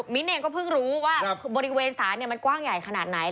เองก็เพิ่งรู้ว่าบริเวณศาลมันกว้างใหญ่ขนาดไหน